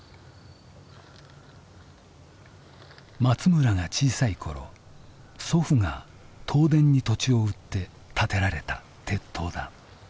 松村が小さい頃祖父が東電に土地を売って建てられた鉄塔だ。